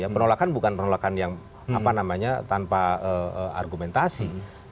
penolakan bukan penolakan yang tanpa argumentasi